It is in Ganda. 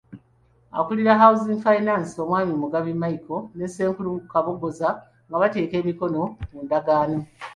Akulira Housing Finance, Mwami Mugabi Michael ne Ssenkulu Kabogoza nga bateeka emikono ku ndagaano.